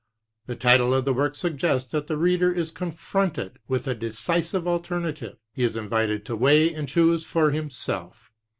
The title of the work suggests that the reader is confronted with a decisive alternative; he is invited to weigh and choose for himself.